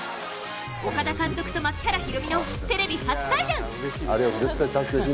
岡田監督と槙原寛己のテレビ初対談。